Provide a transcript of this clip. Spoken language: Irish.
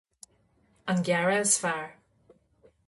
an gearradh is fearr